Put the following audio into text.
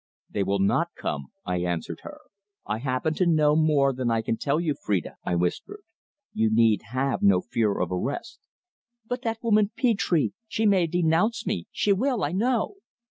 "They will not come," I answered her. "I happen to know more than I can tell you, Phrida," I whispered. "You need have no fear of arrest." "But that woman Petre! She may denounce me she will, I know!"